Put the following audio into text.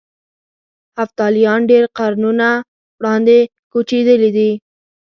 هفتالیان ډېر قرنونه وړاندې کوچېدلي دي.